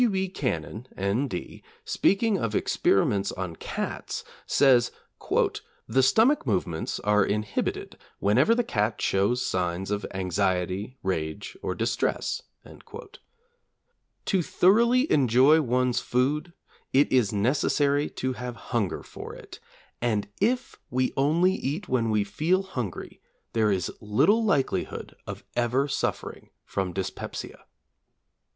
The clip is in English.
W. B. Cannon, M.D., speaking of experiments on cats, says: 'The stomach movements are inhibited whenever the cat shows signs of anxiety, rage, or distress.' To thoroughly enjoy one's food, it is necessary to have hunger for it, and if we only eat when we feel hungry, there is little likelihood of ever suffering from dyspepsia.